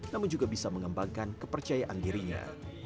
namun juga bisa mengembangkan kepercayaan dirinya